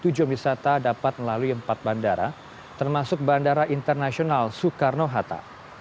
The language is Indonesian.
bandara yang dikoreksi dapat melalui empat bandara termasuk bandara internasional soekarno hatta